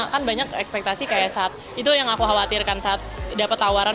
kan banyak ekspektasi kayak saat itu yang aku khawatirkan saat dapat tawaran